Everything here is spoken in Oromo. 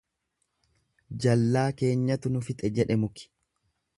Jallaa keenyatu nu fixe jedhe muki.